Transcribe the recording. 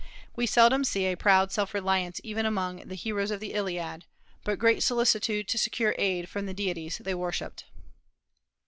We seldom see a proud self reliance even among the heroes of the Iliad, but great solicitude to secure aid from the deities they worshipped.